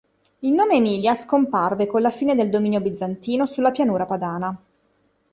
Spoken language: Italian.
Il nome Emilia scomparve con la fine del dominio bizantino sulla pianura padana.